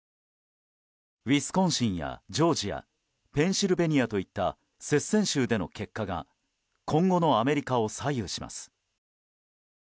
ウィスコンシンやジョージアペンシルベニアといった接戦州での結果が今後のアメリカを左右します。